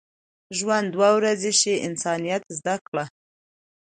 ژوند دوه ورځې شي، انسانیت زده کړه.